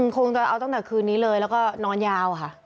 คงจะเอาตั้งแต่คืนนี้เลยแล้วก็นอนยาวค่ะ